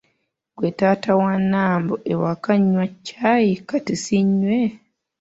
Gwe taata wa Nambo ewaka nywa caayi kati siinywe?”